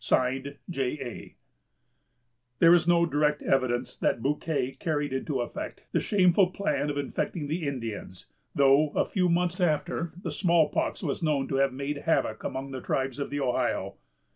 (Signed) J. A. There is no direct evidence that Bouquet carried into effect the shameful plan of infecting the Indians though, a few months after, the small pox was known to have made havoc among the tribes of the Ohio.